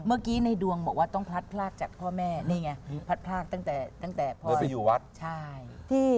เมื่อกี้ในดวงบอกว่าต้องพลาดจากพ่อแม่นี่ไง